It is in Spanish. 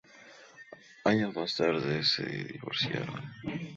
Años más tarde se divorciaron.